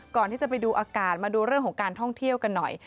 ไปดูอากาศมาดูเรื่องของการท่องเที่ยวกันหน่อย